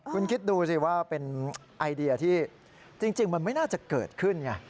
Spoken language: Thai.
คุณคิดดูสิว่าเป็นไอเดียที่จริงมันไม่น่าจะเกิดขึ้นไง